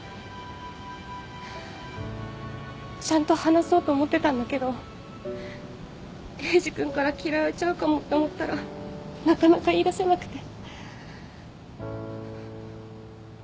ちゃんと話そうと思ってたんだけどエイジ君から嫌われちゃうかもって思ったらなかなか言い出せなくて。